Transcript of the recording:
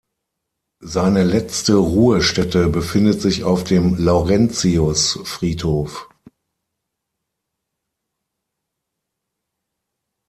Seine letzte Ruhestätte befindet sich auf dem Laurentius-Friedhof.